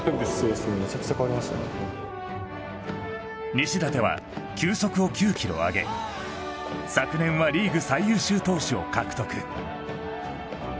西舘は球速を９キロ上げ昨年はリーグ最優秀投手を獲得